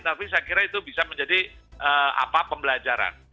tapi saya kira itu bisa menjadi pembelajaran